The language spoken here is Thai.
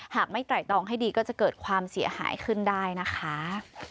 หากไม่ไตรตองให้ดีก็จะเกิดความเสียหายขึ้นได้นะคะ